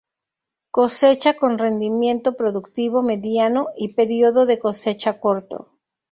Cosecha con rendimiento productivo mediano, y periodo de cosecha corto.